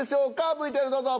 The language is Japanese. ＶＴＲどうぞ！